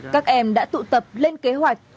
các em đã tụ tập lên kế hoạch